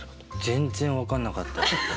全然分かんなかった。